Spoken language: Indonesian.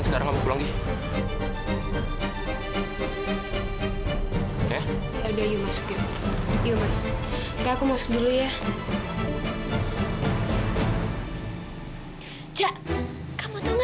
sampai jumpa di video selanjutnya